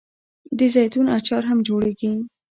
د زیتون اچار هم جوړیږي.